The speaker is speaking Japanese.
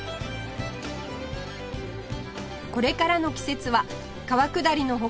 これからの季節は川下りの他